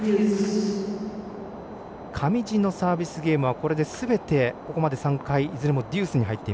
上地のサービスゲームはこれですべてここまで３回いずれもデュース。